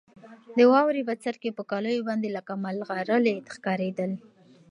د واورې بڅرکي په کالیو باندې لکه ملغلرې ښکارېدل.